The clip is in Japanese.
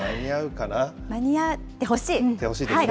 間に合ってほしい。